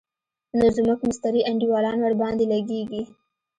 نو زموږ مستري انډيوالان ورباندې لګېږي.